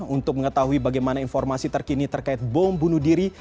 untuk mengetahui bagaimana informasi terkini terkait bom bunuh diri